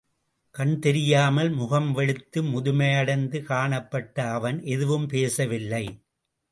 கண் தெரியாமல் முகம் வெளுத்து, முதுமையடைந்து காணப்பட்ட அவன் எதுவும் பேசவில்லை.